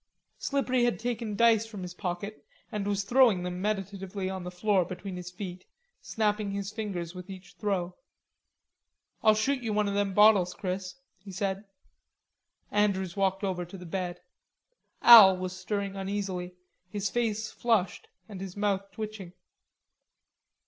Slippery had taken dice from his pocket and was throwing them meditatively on the floor between his feet, snapping his fingers with each throw. "I'll shoot you one of them bottles, Chris," he said. Andrews walked over to the bed. Al was stirring uneasily, his face flushed and his mouth twitching.